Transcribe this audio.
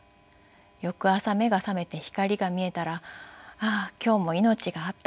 翌朝目が覚めて光が見えたら「ああ今日も命があった。